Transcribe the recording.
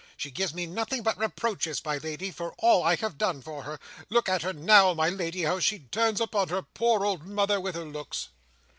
She gives me nothing but reproaches, my Lady, for all I have done for her. Look at her now, my Lady, how she turns upon her poor old mother with her looks."